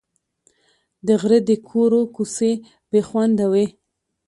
د غره د کورو کوڅې بې خونده وې.